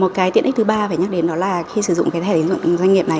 một cái tiện ích thứ ba phải nhắc đến đó là khi sử dụng cái thẻ tín dụng doanh nghiệp này